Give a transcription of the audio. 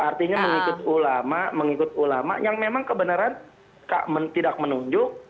artinya mengikut ulama mengikut ulama yang memang kebenaran tidak menunjuk